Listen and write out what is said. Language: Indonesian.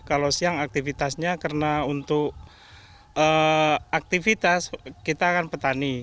kalau siang aktivitasnya karena untuk aktivitas kita akan petani